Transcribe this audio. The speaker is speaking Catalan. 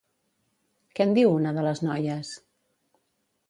Què en diu una de les noies?